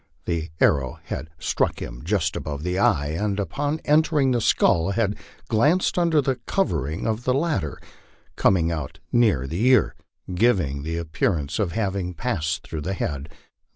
The arrow had struck him just above the eye, and upon encountering the skull had glanced under the covering of the latter, coming out near the ear, giving the appearance of having passed through the head.